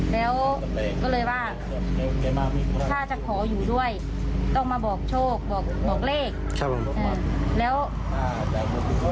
แล้วก็เลยว่าถ้าจะขออยู่ด้วยต้องมาบอกโชคบอกเลข